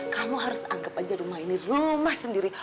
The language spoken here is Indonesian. kamu harus anggap aja rumah ini rumah sendiri